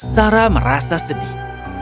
sarah merasa sedih